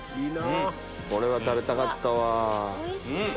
これは食べたかったわ。